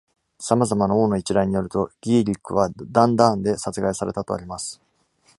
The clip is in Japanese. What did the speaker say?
様々な王の一覧によると、ギーリックはダンダーンで殺害されたとあります。